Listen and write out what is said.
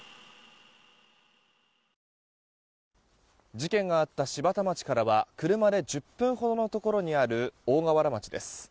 事件があった柴田町からは車で１０分ほどのところにある大河原町です。